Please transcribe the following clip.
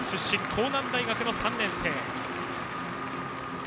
甲南大学の３年生。